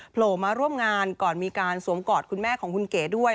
โผล่มาร่วมงานก่อนมีการสวมกอดคุณแม่ของคุณเก๋ด้วย